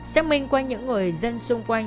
xác minh qua những người dân xung quanh